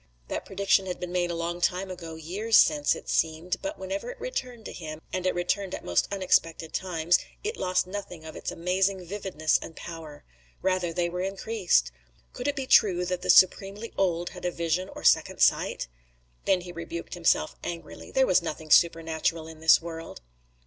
That prediction had been made a long time ago, years since, it seemed, but whenever it returned to him, and it returned at most unexpected times, it lost nothing of its amazing vividness and power; rather they were increased. Could it be true that the supremely old had a vision or second sight? Then he rebuked himself angrily. There was nothing supernatural in this world.